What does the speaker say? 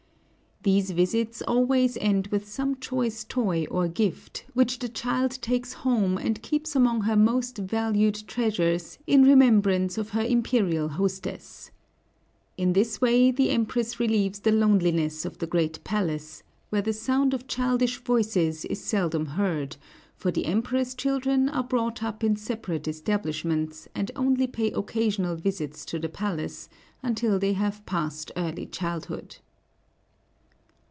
These visits always end with some choice toy or gift, which the child takes home and keeps among her most valued treasures in remembrance of her imperial hostess. In this way the Empress relieves the loneliness of the great palace, where the sound of childish voices is seldom heard, for the Emperor's children are brought up in separate establishments, and only pay occasional visits to the palace, until they have passed early childhood.